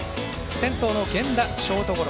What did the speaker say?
先頭の源田、ショートゴロ。